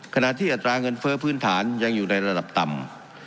ขณะที่อัตราเงินเฟ้อพื้นฐานยังอยู่ในระดับต่ำ